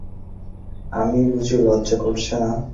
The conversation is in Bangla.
আর, আমার বুঝি লজ্জা করছে না?